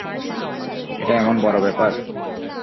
এটা এমন বড় ব্যাপার!